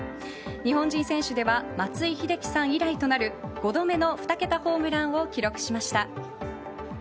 日本人選手では松井秀喜さん以来となる５度目の２桁ホームランを記録しました。